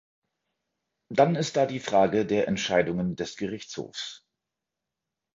Dann ist da die Frage der Entscheidungen des Gerichtshofs.